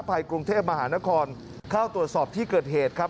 กรุงเทพมหานครเข้าตรวจสอบที่เกิดเหตุครับ